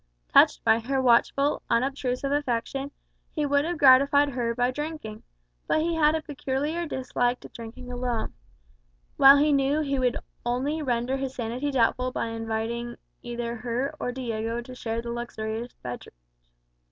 Touched by her watchful, unobtrusive affection, he would have gratified her by drinking; but he had a peculiar dislike to drinking alone, while he knew he would only render his sanity doubtful by inviting either her or Diego to share the luxurious beverage.